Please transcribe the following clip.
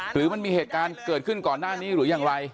หรือมันมีเหตุการณ์เกิดขึ้นก่อนหน้านี้หรืออย่างไร